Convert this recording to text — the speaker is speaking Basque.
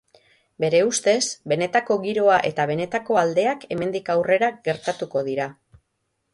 Bere ustez, benetako giroa eta benetako aldeak hemendik aurrera gertatuko dira.